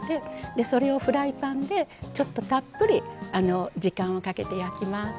それをフライパンでちょっと、たっぷり時間をかけて焼きます。